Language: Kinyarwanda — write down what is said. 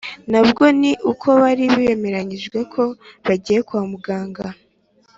na bwo ni uko bari bemeranyije ko bagiye kwa muganga